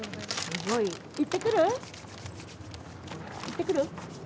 行ってくる？